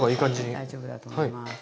大丈夫だと思います。